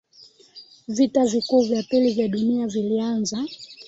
vita vikuu vya pili vya dunia vilianza